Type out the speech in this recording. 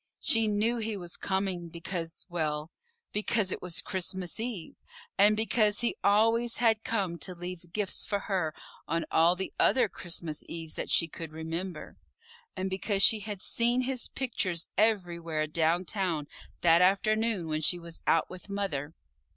She knew he was coming, because well, because it was Christmas Eve, and because he always had come to leave gifts for her on all the other Christmas Eves that she could remember, and because she had seen his pictures everywhere down town that afternoon when she was out with Mother.